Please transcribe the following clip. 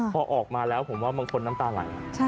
พอออกมาแล้วผมว่าบางคนน้ำตาไหล